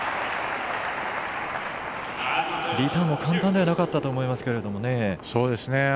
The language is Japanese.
リターンも簡単ではなかったと思います。